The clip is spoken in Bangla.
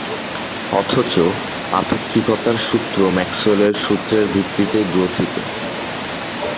অথচ আপেক্ষিকতার সূত্র ম্যাক্সওয়েলের সূত্রের ভিত্তিতেই গ্রোথিত।